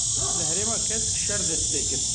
Li Herêma Kesk şer dest pê kir.